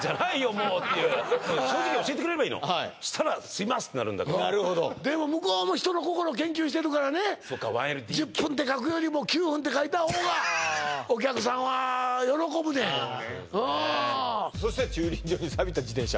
もうっていう正直に教えてくれればいいのはいそしたら「住みます」ってなるんだけどでも向こうも人の心研究してるからね１０分って書くよりも９分って書いた方がお客さんは喜ぶでそして「駐輪場に錆びた自転車」